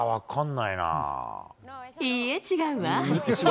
いいえ、違うわ。